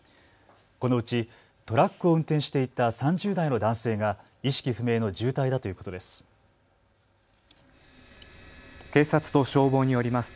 このうちトラックを運転していた３０代の男性が意識不明の重体だということです。